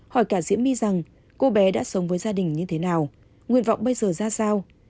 hỏi cả diễm my rằng cô bé đã sống với gia đình như thế nào nguyện vọng bây giờ ra sao